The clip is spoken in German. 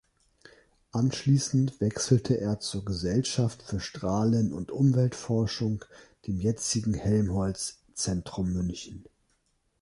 Anschließend wechselte er zur Gesellschaft für Strahlen- und Umweltforschung, dem jetzigen Helmholtz Zentrum München.